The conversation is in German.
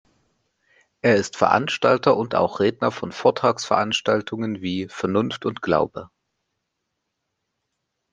Er ist Veranstalter und auch Redner von Vortragsveranstaltungen wie „Vernunft und Glaube“.